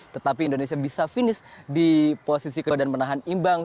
tetapi indonesia bisa finish di posisi kedua dan menahan imbang